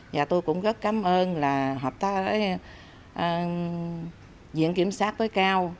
và tôi cũng rất cảm ơn là hợp tác diện kiểm soát tối cao